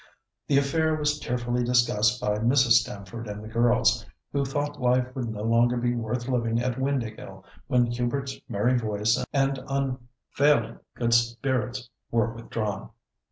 The affair was tearfully discussed by Mrs. Stamford and the girls, who thought life would no longer be worth living at Windāhgil when Hubert's merry voice and unfailing good spirits were withdrawn.